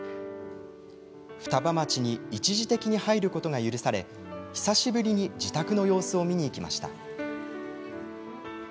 双葉町に一時的に入ることが許され、久しぶりに自宅の様子を見に行きました。